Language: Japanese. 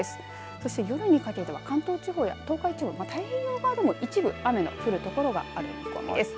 そして夜にかけては関東地方、東海地方太平洋側でも一部、雨が降る所がある見込みです。